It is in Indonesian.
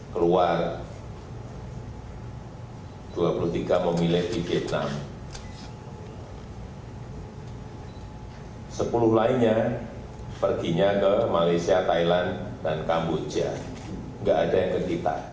kamboja gak ada yang ketipa